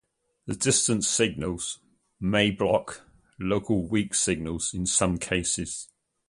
The distant signals may block local weak signals in some cases.